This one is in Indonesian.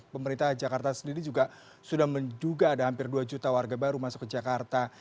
pemerintah jakarta sendiri juga sudah menduga ada hampir dua juta warga baru masuk ke jakarta